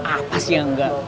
apa sih yang enggak